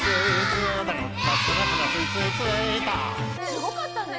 すごかったね！